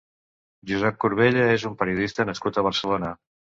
Josep Corbella és un periodista nascut a Barcelona.